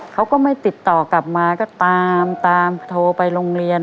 เขาก็ไม่ติดต่อกลับมาก็ตามตามโทรไปโรงเรียน